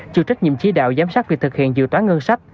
chịu trách nhiệm chí đạo giám sát việc thực hiện dự toán ngân sách